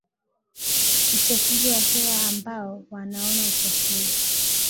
uchafuzi wa hewa ambao wanaonaUchafuzi